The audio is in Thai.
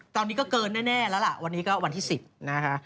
ตอนนี้ก็เกินแน่แล้วล่ะวันนี้ก็วันที่๑๐นะคะ